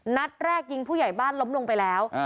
นัดแรกยิงผู้ใหญ่บ้านล้มลงไปแล้ว